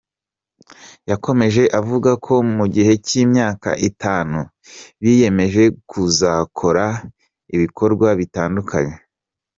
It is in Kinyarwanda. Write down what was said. Yakomeje avuga ko mu gihe cy’imyaka itanu biyemeje kuzakora ibikorwa bitandukanye.